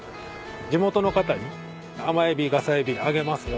地元の方に「アマエビガサエビあげますよ」